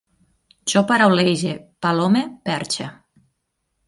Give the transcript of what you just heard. Jo paraulege, palome, perxe